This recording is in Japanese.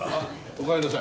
おかえりなさい。